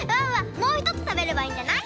もうひとつたべればいいんじゃない？